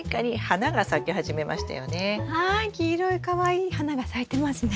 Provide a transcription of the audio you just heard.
黄色いかわいい花が咲いてますね。